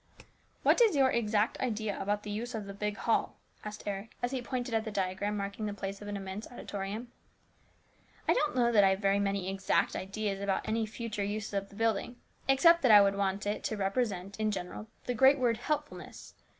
" What is your exact idea about the use of the big hall ?" asked Eric as he pointed at the diagram marking the place of an immense auditorium. " I don't know that I have very many ' exact ' ideas about any of the future uses of the building, 302 HIS BROTHER'S KEEPER. except that I want it to represent, in general, the great word Helpfulness.